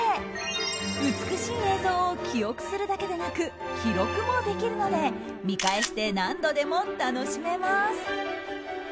美しい映像を記憶するだけでなく記録もできるので見返して何度でも楽しめます。